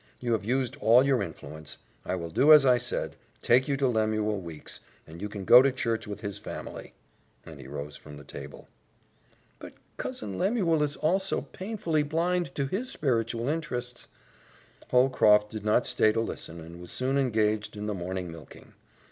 You have used all your influence. I will do as I said take you to Lemuel Weeks' and you can go to church with his family," and he rose from the table. "But Cousin Lemuel is also painfully blind to his spiritual interests " Holcroft did not stay to listen and was soon engaged in the morning milking.